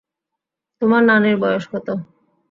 তোমার নানীর বয়স কত?